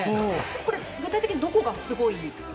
これ、具体的にどこがすごいんですか？